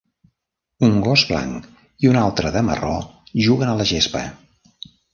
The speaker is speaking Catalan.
Un gos blanc i un altre de marró juguen a la gespa